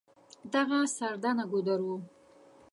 دغه سردنه ګودر و.